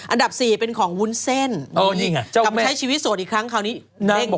อันดับ๔เป็นของวุ้นเซ่นกลับใช้ชีวิตสวดอีกครั้งคราวนี้เร่งขึ้นไปอีก